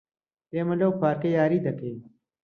ئێمە لەو پارکە یاری دەکەین.